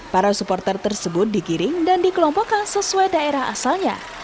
para supporter tersebut digiring dan dikelompokkan sesuai daerah asalnya